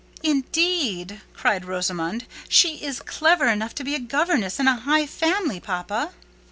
"Indeed," cried Rosamond, "she is clever enough to be a governess in a high family, papa."